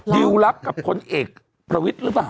ดิวรับกับพลเอกประวิทย์หรือเปล่า